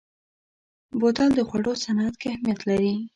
بوتل د خوړو صنعت کې اهمیت لري.